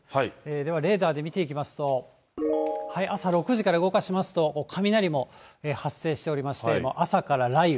では、レーダーで見ていきますと、朝６時から動かしますと、雷も発生しておりまして、朝から雷雨。